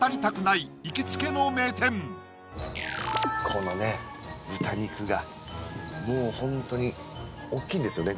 このね豚肉がもう本当に大きいんですよね